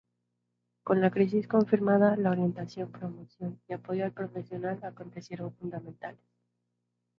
Con la crisis confirmada, la orientación, promoción y apoyo al profesional acontecieron fundamentales.